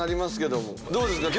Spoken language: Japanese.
どうですか？